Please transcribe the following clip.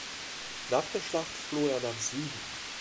Nach der Schlacht floh er nach Süden.